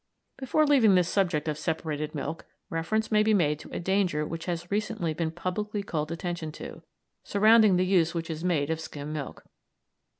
Before leaving this subject of separated milk, reference may be made to a danger, which has recently been publicly called attention to, surrounding the use which is made of skim milk.